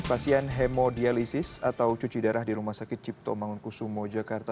pasien hemodialisis atau cuci darah di rumah sakit cipto mangunkusumo jakarta